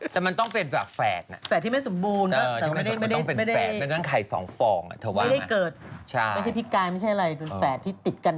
แต่มันต้องเป็นฝาแฝดนะไม่ได้เกิดไม่ใช่พิกายไม่ใช่อะไรมันแฝดที่ติดกัน